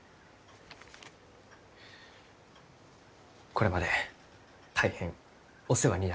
これまで大変お世話になりました。